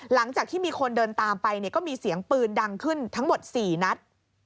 หลังจากที่มีคนเดินตามไปก็มีเสียงปืนดังขึ้นทั้งหมด๔นัด